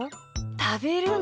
たべるの？